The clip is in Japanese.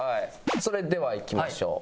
それではいきましょう。